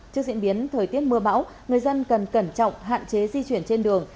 trước diễn biến thời tiết mưa bão người dân cần cẩn trọng hạn chế di chuyển trên đường